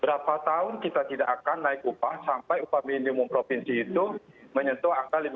berapa tahun kita tidak akan naik upah sampai upah minimum provinsi itu menyentuh angka lima puluh